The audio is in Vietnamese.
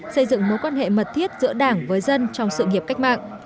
xây dựng mối quan hệ mật thiết giữa đảng với dân trong sự nghiệp cách mạng